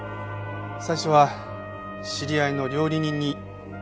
最初は知り合いの料理人に頼むつもりでした。